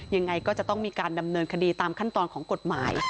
ยังไงก็จะต้องมีการดำเนินคดีตามขั้นตอนของกฎหมาย